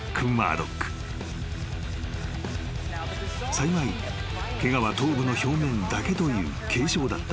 ［幸いケガは頭部の表面だけという軽傷だった］